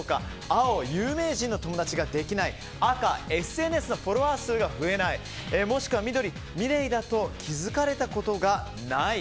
青、有名人の友達ができない赤、ＳＮＳのフォロワー数が増えないもしくは緑、ｍｉｌｅｔだと気づかれたことがない。